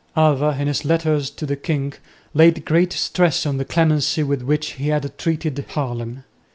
Alva in his letters to the king laid great stress on the clemency with which he had treated Haarlem.